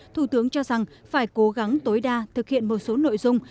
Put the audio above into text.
thủ tướng cho rằng phải cố gắng tối đa thực hiện một số nội dung